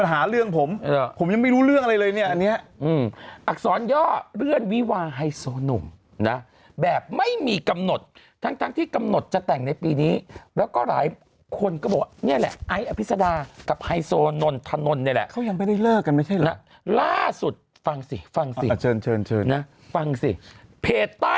เห็นนางร้ายสาวไม่สวมแหวนเพชรเมตต์โต